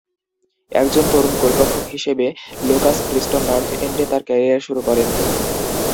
একজন তরুণ গোলরক্ষক হিসেবে, লুকাস প্রিস্টন নর্থ এন্ডে তার ক্যারিয়ার শুরু করেন।